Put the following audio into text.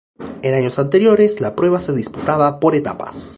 En años anteriores la prueba se disputaba por etapas.